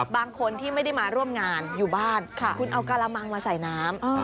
บางคนที่ไม่ได้มาร่วมงานอยู่บ้านคุณเอาการมังมาใส่น้ำ